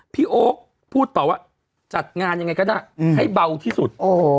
โอ๊คพูดต่อว่าจัดงานยังไงก็ได้ให้เบาที่สุด